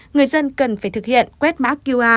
người dân cần phải thực hiện quét mã qr